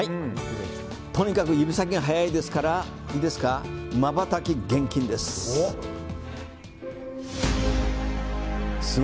とにかく指先が速いですからまばたき厳禁です。